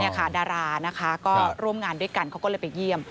ดารานะคะก็ร่วมงานด้วยกันเขาก็เลยไปเยี่ยม